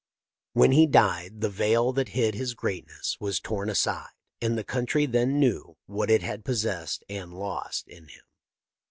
When he died the veil that hid his greatness was torn aside, and the country then knew what it had possesssed and lost in him.